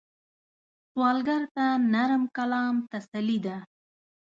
سوالګر ته نرم کلام تسلي ده